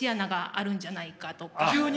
急に？